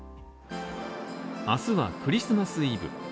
明日はクリスマスイブ。